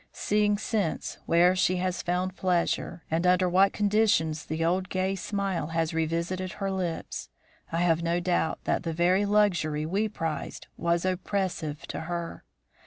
Seeing, since, where she has found pleasure, and under what conditions the old gay smile has revisited her lips, I have no doubt that the very luxury we prized was oppressive to her.